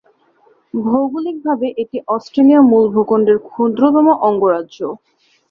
ভৌগোলিকভাবে এটি অস্ট্রেলিয়া মূল ভূখণ্ডের ক্ষুদ্রতম অঙ্গরাজ্য।